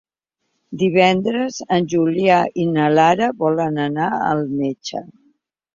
Divendres en Julià i na Lara volen anar al metge.